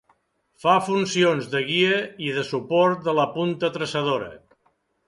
Fa funcions de guia i de suport de la punta traçadora.